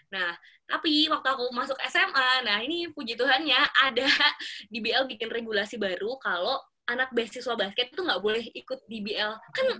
nah tapi waktu aku masuk sma nah ini puji tuhannya ada dbl bikin regulasi baru kalau anak beasiswa basket itu nggak boleh ikut dbl